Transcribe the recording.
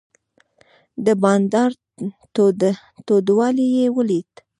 د بانډار تودوالی یې ولید.